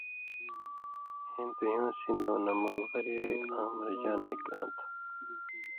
اېں دُویُوں (سِن٘دؤں) نہ ملغلری آں مرجان نِکاں تھہ۔